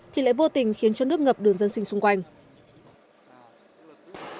thì lại vô tình khiến cho nước ngập đường dân sinh xung quanh